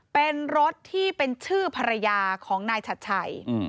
เป็นรถที่เป็นชื่อภรรยาของนายชัดชัย